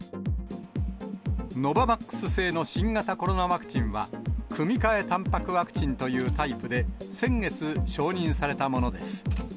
ノババックス製の新型コロナワクチンは、組み換えたんぱくワクチンというタイプで、先月、承認されたものです。